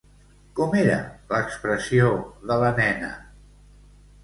Com era l'expressió de la nena?